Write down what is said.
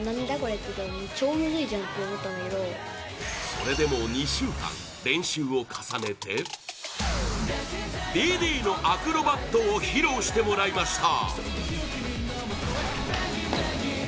それでも２週間練習を重ねて「Ｄ．Ｄ．」のアクロバットを披露してもらいました！